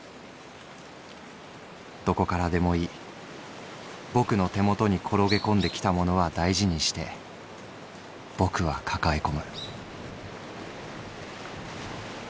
どこからでもいいぼくの手元に転げ込んできたものは大事にしてぼくは抱え込む」。